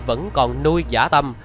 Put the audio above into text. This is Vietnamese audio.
vẫn còn nuôi giả tâm